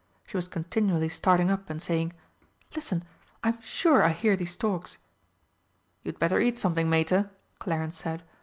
She was continually starting up and saying, "Listen! I'm sure I hear these storks!" "You'd better eat something, Mater," Clarence said.